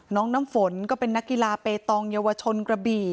น้ำฝนก็เป็นนักกีฬาเปตองเยาวชนกระบี่